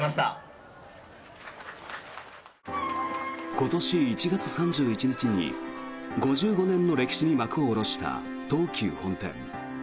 今年１月３１日に５５年の歴史に幕を下ろした東急本店。